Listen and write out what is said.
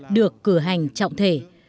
được cử hành trọng thể